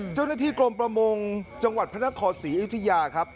เจ้าหน้าที่กรมประมงจังหวัดพระนครศรีอยุธยาครับ